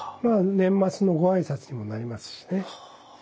年末のご挨拶にもなりますしね。